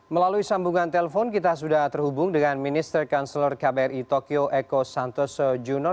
melalui sambungan telpon kita sudah terhubung dengan minister kanselor kbri tokyo eko santoso junor